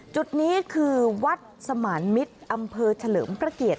จุดนี้คือวัดสมานมิตรอำเภอเฉลิมพระเกียรติ